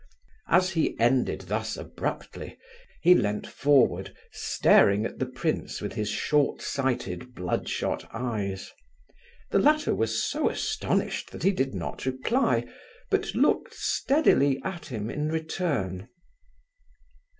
As he ended thus abruptly, he leant forward, staring at the prince with his short sighted, bloodshot eyes. The latter was so astonished, that he did not reply, but looked steadily at him in return.